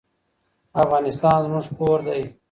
افغانستان زموږ کور دی.